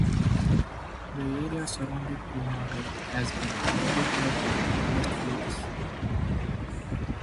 The area surrounding Bruma Lake has been redeveloped in the last few years.